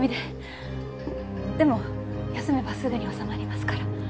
でも休めばすぐに治まりますから。